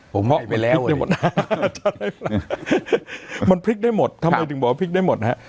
ผมเพาะไปแล้วมันพลิกได้หมดทำไมถึงบอกว่าพลิกได้หมดฮะ